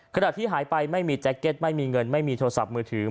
ขณะที่หายไปไม่มีแจ็คเก็ตไม่มีเงินไม่มีโทรศัพท์มือถือ